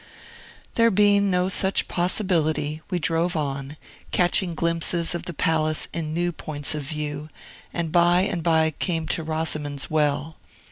There being no such possibility, we drove on, catching glimpses of the palace in new points of view, and by and by came to Rosamond's Well.